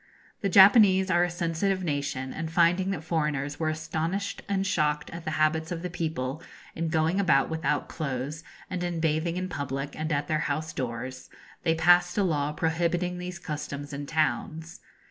The Japanese are a sensitive nation, and finding that foreigners were astonished and shocked at the habits of the people, in going about without clothes, and in bathing in public and at their house doors, they passed a law prohibiting these customs in towns.